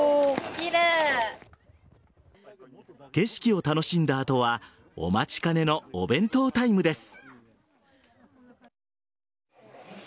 景色を楽しんだ後はお待ちかねのお弁当タイムです。